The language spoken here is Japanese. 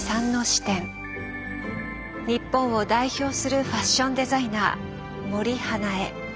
日本を代表するファッションデザイナー森英恵。